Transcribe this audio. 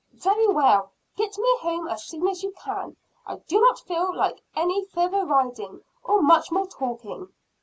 "Very well get me home as soon as you can. I do not feel like any further riding, or much more talking."